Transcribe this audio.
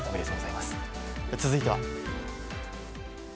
続いては。